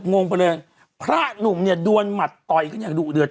งงไปเลยพระหนุ่มเนี่ยดวนหมัดต่อยขึ้นอย่างดุเดือด